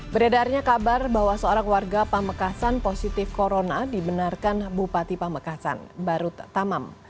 beredarnya kabar bahwa seorang warga pamekasan positif corona dibenarkan bupati pamekasan barut tamam